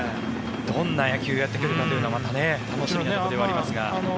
どんな野球をやってくるかというところも楽しみなところではありますが。